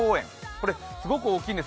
これすごく大きいんです。